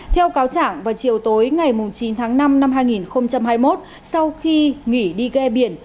theo cáo chẳng vào chiều tối ngày chín tháng năm năm hai nghìn hai mươi một sau khi nghỉ đi ghe biển